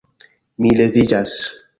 Mi leviĝas.